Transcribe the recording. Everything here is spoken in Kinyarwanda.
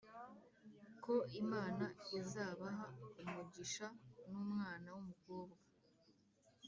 ko imana izabaha umugisha numwana wumukobwa,